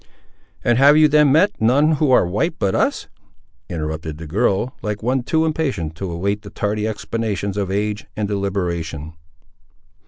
"And have you then met none who are white, but us?" interrupted the girl, like one too impatient to await the tardy explanations of age and deliberation.